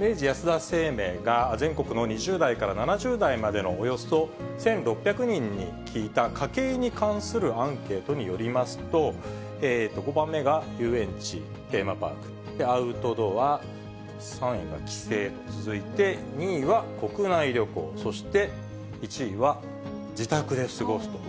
明治安田生命が、全国の２０代から７０代までのおよそ１６００人に聞いた家計に関するアンケートによりますと、５番目が遊園地・テーマパーク、アウトドア、３位が帰省と続いて、２位は国内旅行、そして１位は自宅で過ごすと。